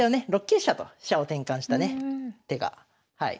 ６九飛車と飛車を転換したね手が。